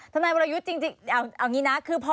ทำไม๒วัน๒๒๒๓ไปนัดติดกันหรือคะ